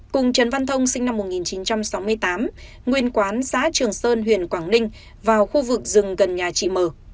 cùng trần văn thông sinh năm một nghìn chín trăm sáu mươi tám nguyên quán xã trường sơn huyện quảng ninh vào khu vực rừng gần nhà chị m